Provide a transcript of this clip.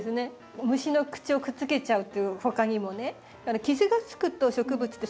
虫の口をくっつけちゃうっていうほかにもね傷がつくと植物って